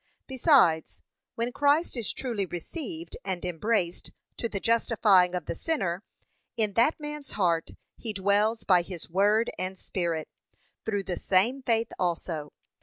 Besides, when Christ is truly received and embraced to the justifying of the sinner, in that man's heart he dwells by his word and Spirit, through the same faith also.